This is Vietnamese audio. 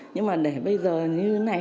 nhưng mà để bây giờ như thế này